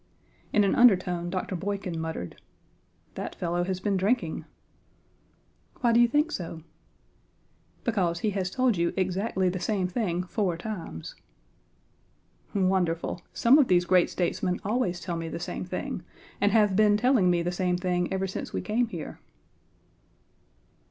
In an undertone Dr. Boykin muttered: "That fellow has been drinking." "Why do you think so?" "Because he has told you exactly the same thing four times." Wonderful! Some of these great statesmen always tell me the same thing and have been telling me the same thing ever since we came here.